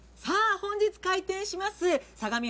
本日開店します